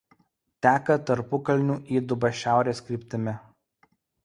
Teka tarpukalnių įduba šiaurės kryptimi.